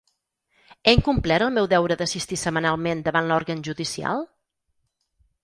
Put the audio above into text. He incomplert el meu deure d’assistir setmanalment davant l’òrgan judicial?